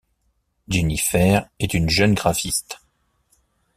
Jennifer est une jeune graphiste.